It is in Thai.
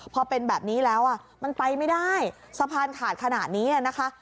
พอเป็นแบบนี้แล้วมันไปไม่ได้สะพานขาดขนาดนี้นะคะ